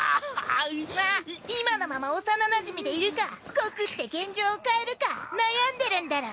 あっ今のまま幼なじみでいるか告って現状を変えるか悩んでるんだろ？